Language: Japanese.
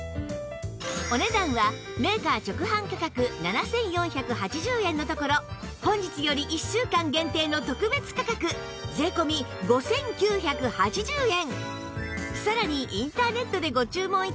お値段はメーカー直販価格７４８０円のところ本日より１週間限定の特別価格税込５９８０円